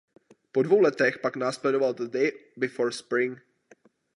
Po dvou letech pak následoval "The Day Before Spring".